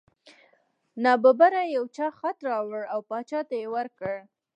نا ببره یو چا خط راوړ او باچا ته یې ورکړ.